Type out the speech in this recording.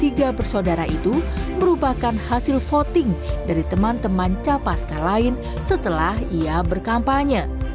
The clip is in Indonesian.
tiga bersaudara itu merupakan hasil voting dari teman teman capaska lain setelah ia berkampanye